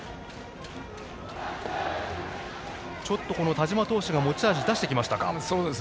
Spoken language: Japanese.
田嶋投手が持ち味を出してきましたか。